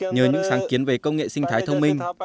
nhờ những sáng kiến về công nghệ sinh thái thông minh